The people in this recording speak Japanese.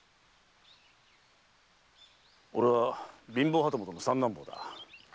俺は貧乏旗本の三男坊だ。